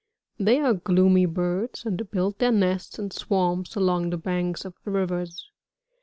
They are gloomy birds, and build their nests in swamps, along the banks of rivers.